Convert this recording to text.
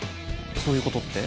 そういうことって？